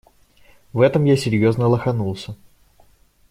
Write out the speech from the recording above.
В этом я серьёзно лоханулся.